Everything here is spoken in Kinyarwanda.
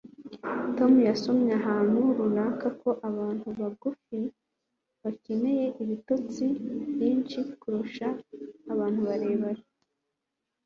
tom yasomye ahantu runaka ko abantu bagufi bakeneye ibitotsi byinshi kuruta abantu barebare